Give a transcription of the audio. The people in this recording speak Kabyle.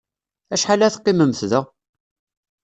Acḥal ad teqqimemt da?